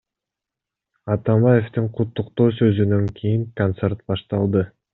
Атамбаевдин куттуктоо сөзүнөн кийин концерт башталды.